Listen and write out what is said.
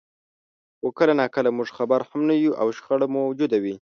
خو کله ناکله موږ خبر هم نه یو او شخړه موجوده وي.